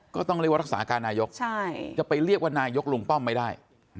ก็ต้องเรียกว่ารักษาการนายกจะไปเรียกว่านายกลุงป้อมไม่ได้